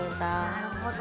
なるほど。